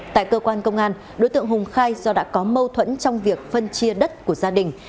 tại cơ quan công an đối tượng hùng khai do đã có mâu thuẫn trong việc phân chia đất của gia đình